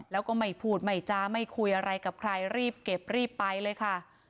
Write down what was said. แล้วก็ไม่พูดไม่จ้าไม่คุยอะไรกับใครรีบเก็บรีบไปเลยค่ะ